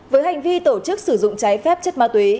với hành vi tổ chức sử dụng trái phép chất ma túy